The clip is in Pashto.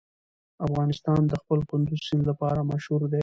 افغانستان د خپل کندز سیند لپاره مشهور دی.